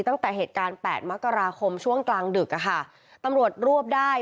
ตั้งแต่เหตุการณ์แปดมกราคมช่วงกลางดึกอะค่ะตำรวจรวบได้